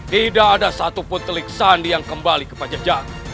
tidak ada satupun telik sandi yang kembali kepada jakarta